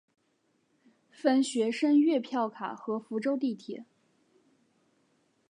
分学生月票卡和福州地铁。